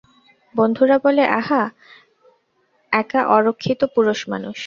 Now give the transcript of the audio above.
বন্ধুরা বলে, আহা, একা অরক্ষিত পুরুষমানুষ।